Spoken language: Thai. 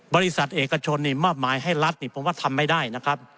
บริษัทเอกชนนี่มอบหมายให้รัฐนี่ผมว่าทำไม่ได้นะครับ